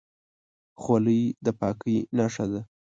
خولۍ د پاکۍ نښه ده.